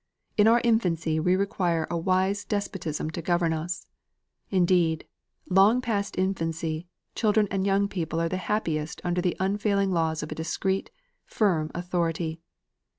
In our infancy we require a wise despotism to govern us. Indeed, long past infancy, children and young people are the happiest under the unfailing laws of a discreet firm authority.